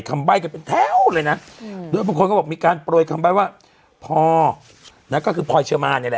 คำใบ้กันเป็นแท๊วเลยนะด้วยบางคนก็บอกการปล่อยคำใบ้ว่าพเพอร์เชิมาน